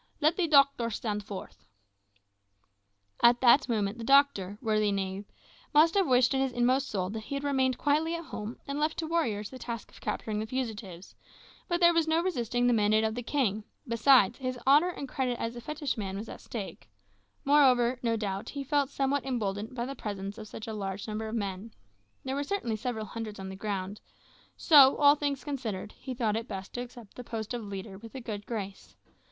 Let the doctor stand forth." At that moment the doctor, worthy knave, must have wished in his inmost soul that he had remained quietly at home and left to warriors the task of capturing the fugitives, but there was no resisting the mandate of the king; besides, his honour and credit as a fetishman was at stake; moreover, no doubt he felt somewhat emboldened by the presence of such a large number of men there were certainly several hundreds on the ground so, all things considered, he thought it best to accept the post of leader with a good grace.